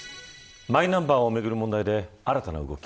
マイナンバーをめぐる問題で新たな動き。